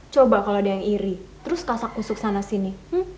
coba kalau ada yang iri terus kesakusuk sana sini